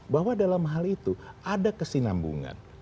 bahwa dalam hal itu ada kesinambungan